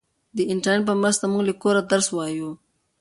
د انټرنیټ په مرسته موږ له کوره درس وایو.